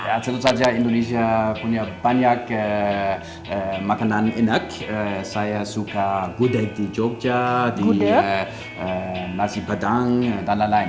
ya tentu saja indonesia punya banyak makanan enak saya suka gudeg di jogja di nasi pedang dan lain lain